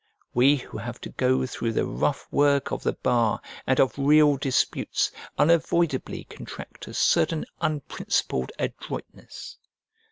We who have to go through the rough work of the bar and of real disputes unavoidably contract a certain unprincipled adroitness.